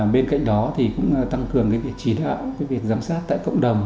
bên cạnh đó thì cũng tăng cường việc chỉ đạo việc giám sát tại cộng đồng